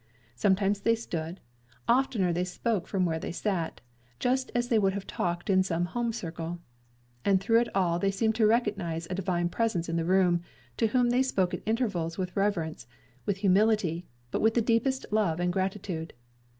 Sometimes they stood; oftener they spoke from where they sat, just as they would have talked in some home circle. And through it all they seemed to recognize a Divine presence in the room, to whom they spoke at intervals with reverence, with humility, but with the deepest love and gratitude.